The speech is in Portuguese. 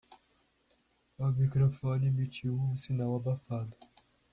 O microfone emitiu um sinal abafado.